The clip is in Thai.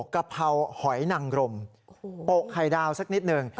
กะเพราหอยนังรมโปะไข่ดาวสักนิดหนึ่ง